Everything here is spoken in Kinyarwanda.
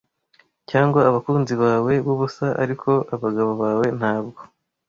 cyangwa abakunzi bawe b'ubusa ariko abagabo bawe ntabwo